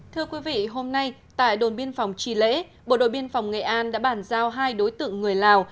thưa quý vị hôm nay tại đồn biên phòng trì lễ bộ đội biên phòng nghệ an đã bàn giao hai đối tượng người lào